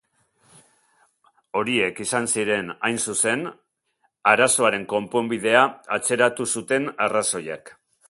Horiek izan ziren, hain zuzen, arazoaren konponbidea atzeratu zuten arrazoiak.